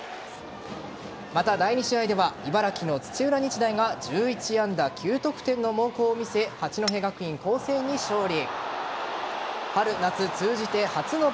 また、第２試合では茨城の土浦日大が１１安打９得点の猛攻を見せ八戸学院光星に勝利。